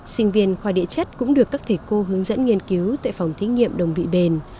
sinh viên khoa địa chất cũng được các thầy cô hướng dẫn nghiên cứu tại phòng thí nghiệm đồng vị bền